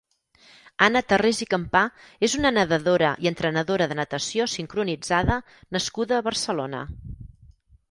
Anna Tarrés i Campà és una nedadora i entrenadora de natació sincronitzada nascuda a Barcelona.